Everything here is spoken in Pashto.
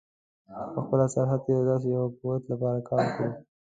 په خپله سرحد کې د داسې یوه قوت لپاره کار وکړو.